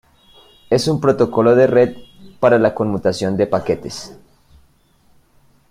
Es un protocolo de red, para la conmutación de paquetes.